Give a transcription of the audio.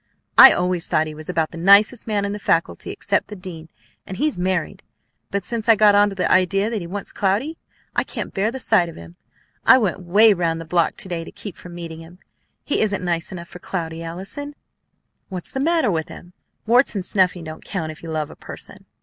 I always thought he was about the nicest man in the faculty except the dean, and he's married; but since I got onto the idea that he wants Cloudy I can't bear the sight of him. I went way round the block to day to keep from meeting him. He isn't nice enough for Cloudy, Allison." "What's the matter with him? Warts and snuffing don't count if you love a person.